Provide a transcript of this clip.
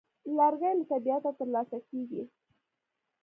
لرګی له طبیعته ترلاسه کېږي.